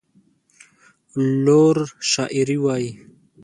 لور شاعري وايي.